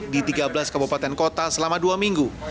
di tiga belas kabupaten kota selama dua minggu